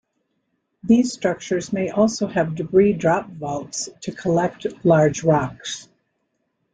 These structures may also have debris drop vaults to collect large rocks.